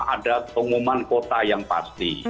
ada pengumuman kota yang pasti